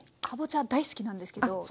かぼちゃ大好きなんですけど。